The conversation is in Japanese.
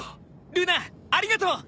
ルナありがとう。